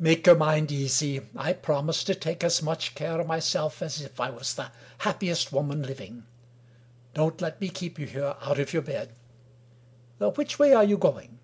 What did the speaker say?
Make your mind easy — I prom ise to take as much care of myself as if I was the happiest woman living! Don't let me keep you here, out of your bed. Which way are you going?"